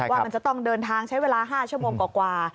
ว่ามันจะต้องเดินทางใช้เวลา๕ชั่วโมงกว่า